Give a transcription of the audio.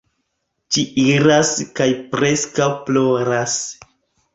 Ĝi iras kaj preskaŭ ploras.